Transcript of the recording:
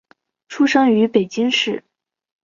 出生于北京市。